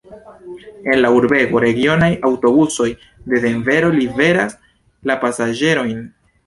En la urbego regionaj aŭtobusoj de Denvero liveras la pasaĝerojn.